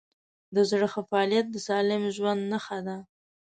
د زړه ښه فعالیت د سالم ژوند نښه ده.